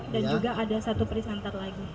dan juga ada satu presenter lagi